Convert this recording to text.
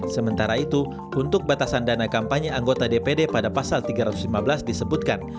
sementara itu untuk batasan dana kampanye anggota dpd pada pasal tiga ratus lima belas disebutkan